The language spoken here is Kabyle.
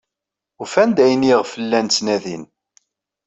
Ufan-d ayen ayɣef llan ttnadin.